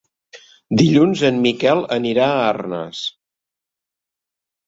Dilluns en Miquel anirà a Arnes.